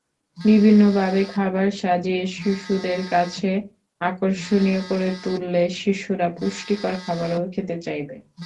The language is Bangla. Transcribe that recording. বিভিন্নভাবে খাবার সাজিয়ে শিশুদের কাছে আকর্ষণীয় করে তুললে শিশুরা পুষ্টিকর খাবারও খেতে চাইবে।